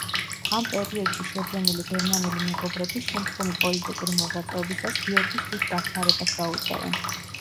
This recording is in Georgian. ამ პერიოდში შეძენილი გერმანელი მეგობრები შემდგომი პოლიტიკური მოღვაწეობისას გიორგის დიდ დახმარებას გაუწევენ.